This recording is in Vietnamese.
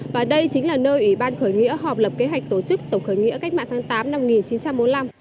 và đây chính là nơi ủy ban khởi nghĩa họp lập kế hoạch tổ chức tổng khởi nghĩa cách mạng tháng tám năm một nghìn chín trăm bốn mươi năm